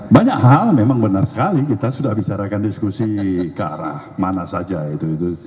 banyak hal memang benar sekali kita sudah bicarakan diskusi ke arah mana saja itu